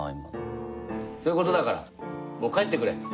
そういうことだからもう帰ってくれ。